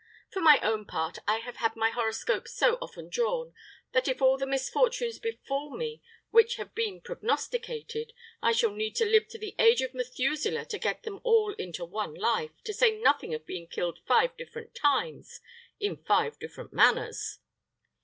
For my own part, I have had my horoscope so often drawn, that if all the misfortunes befall me which have been prognosticated, I shall need to live to the age of Methuselah to get them all into one life, to say nothing of being killed five different times in five different manners."